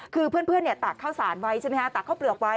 คือเพื่อนตากข้าวสารไว้ใช่ไหมฮะตากข้าวเปลือกไว้